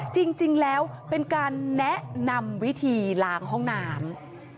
จริงแล้วเป็นการแนะนำวิธีล้างห้องน้ำ